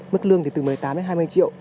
mức lương thì từ một mươi tám đến hai mươi triệu